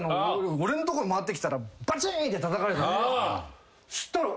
俺のとこに回ってきたらバチーンってたたかれた。